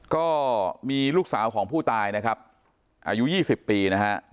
ก็มีลูกสาวของผู้ตายนะครับอายุ๒๐ปีนะฮะ